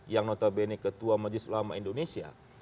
yang notabene ketua majelis ulama indonesia